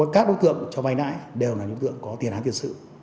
các đối tượng cho vay nãi đều là đối tượng có tiền án tiền sự